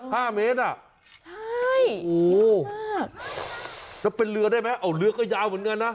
แล้วเป็นเรือได้ไหมเอาเรือก็ยาวเหมือนกันนะ